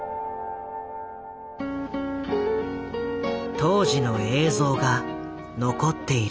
当時の映像が残っている。